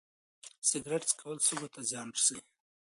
سګرټ څکول سږو ته زیان رسوي.